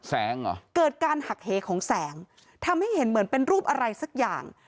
เหรอเกิดการหักเหของแสงทำให้เห็นเหมือนเป็นรูปอะไรสักอย่าง